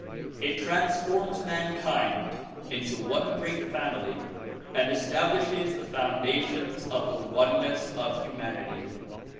It transforms mankind into one great family and establishes the foun dations of the oneness of humanity.